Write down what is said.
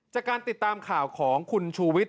จากการติดตามข่าวของคุณชูวิทย